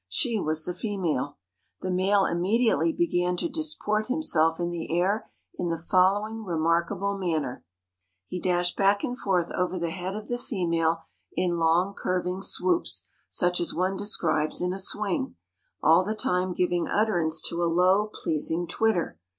She was the female. The male immediately began to disport himself in the air in the following remarkable manner: He dashed back and forth over the head of the female in long, curving swoops such as one describes in a swing, all the time giving utterance to a low, pleasing twitter.